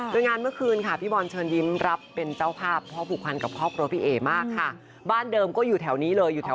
ตอนแรกยังไม่คิดว่าเป็นอาร์มที่เสียชีวิตค่ะ